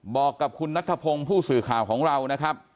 บอกกับคุณนัทธพงศ์ผู้สื่อข่าวของเรานะครับ